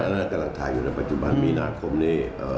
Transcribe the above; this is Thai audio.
นั่นกำลังถ่ายอยู่ในปัจจุบันมีนาคมนี้